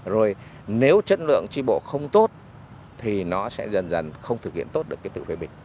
rồi nếu chất lượng tri bộ không tốt thì nó sẽ dần dần không thực hiện tốt được cái tự phê bình